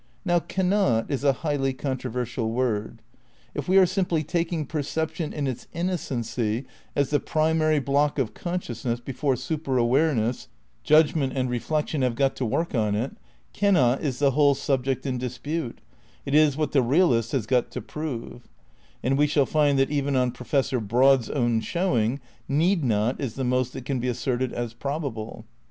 "i Now "cannot" is a highly controversial word. If we are simply taking perception in its innocency as the primary block of consciousness before superaware ness, judgment and reflection have got to work on it, "cannot" is the whole subject in dispute ; it is what the realist has got to prove; and we shall find that even on Professor Broad's own showing, "need not" is the most that can be asserted as probable.